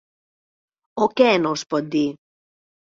O què no es pot dir?